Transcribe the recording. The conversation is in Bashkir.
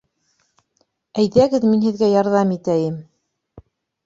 Әйҙәгеҙ, мин һеҙгә ярҙам итәйем!